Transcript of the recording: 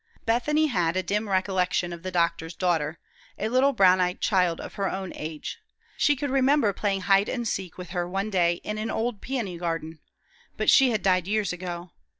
Bethany had a dim recollection of the doctor's daughter, a little brown eyed child of her own age. She could remember playing hide and seek with her one day in an old peony garden. But she had died years ago.